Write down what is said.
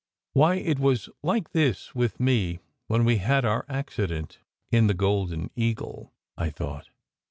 "Why! it was like this with me when we had our accident in the Golden Eagle!" I thought.